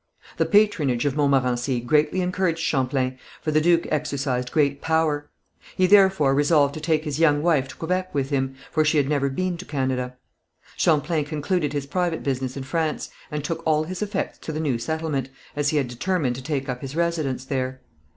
The patronage of Montmorency greatly encouraged Champlain, for the duke exercised great power. He therefore resolved to take his young wife to Quebec with him, for she had never been to Canada. Champlain concluded his private business in France, and took all his effects to the new settlement, as he had determined to take up his residence there.